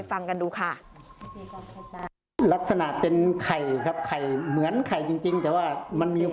ฟังกันดูค่ะลักษณะเป็นไข่ครับไข่เหมือนไข่จริงจริงแต่ว่ามันมี